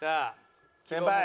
先輩！